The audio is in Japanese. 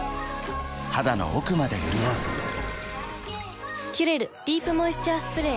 肌の奥まで潤う「キュレルディープモイスチャースプレー」